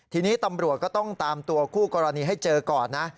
ทีนี้ตำรวจก็ต้องตามตัวคู่กรณีให้เจอก่อนนะ